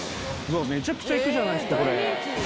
めちゃくちゃ行くじゃないですかこれ。